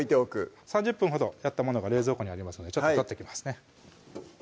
３０分ほどやったものが冷蔵庫にありますのでちょっと取ってきますね